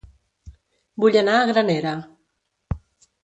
Vull anar a Granera